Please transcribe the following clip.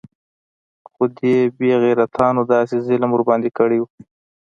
خو دې بې غيرتانو داسې ظلم ورباندې كړى و.